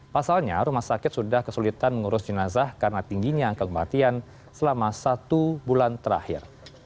pasalnya rumah sakit sudah kesulitan mengurus jenazah karena tingginya angka kematian selama satu bulan terakhir